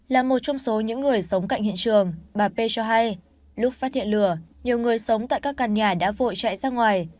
là một trong số những người sống cạnh hiện trường bà p cho hay lúc phát hiện lửa nhiều người sống tại các căn nhà đã vội chạy ra ngoài